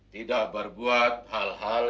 tidak berbuat hal hal